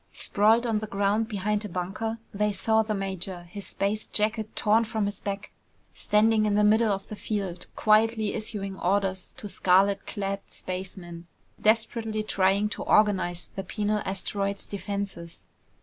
Sprawled on the ground behind a bunker, they saw the major, his space jacket torn from his back, standing in the middle of the field, quietly issuing orders to scarlet clad spacemen, desperately trying to organize the penal asteroid's defenses.